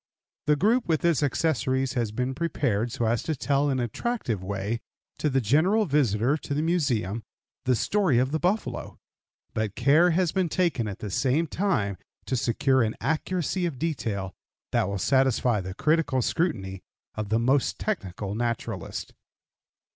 The group, with its accessories, has been prepared so as to tell in an attractive way to the general visitor to the Museum the story of the buffalo, but care has been taken at the same time to secure an accuracy of detail that will satisfy the critical scrutiny of the most technical naturalist.